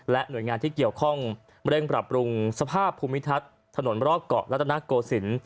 หน่วยงานที่เกี่ยวข้องเร่งปรับปรุงสภาพภูมิทัศน์ถนนรอบเกาะรัฐนาโกศิลป์